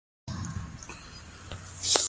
چې مخالف پۀ نفسياتي دباو کښې راولي